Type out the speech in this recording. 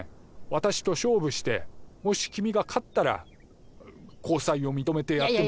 私と勝負してもし君が勝ったら交際を認めてやっても。